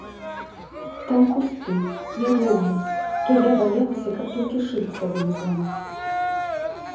Там кусты, няроўна, то я баялася, каб толькі шыю сабе не зламаць.